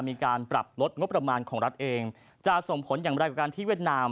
มีการปรับลดงบประมาณของรัฐเองจะส่งผลอย่างไรกับการที่เวียดนาม